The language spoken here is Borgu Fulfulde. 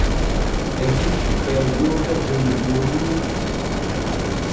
Ɓe bitti ɓee ƴooga der gooruuji.